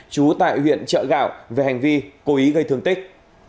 trú tại huyện chợ gạo về hành vi cố ý gây thương tích